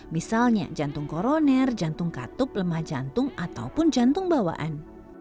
misalnya jantung koroner jantung katup lemah jantung ataupun jantung bawaan